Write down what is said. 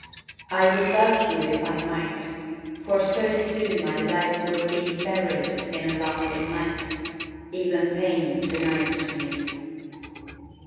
I would love you if I might, For so soon my life will be Buried in a lasting night, Even pain denied to me.